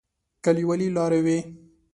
کليوالي لارې وې.